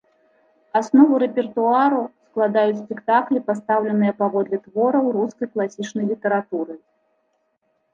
Аснову рэпертуару складаюць спектаклі, пастаўленыя паводле твораў рускай класічнай літаратуры.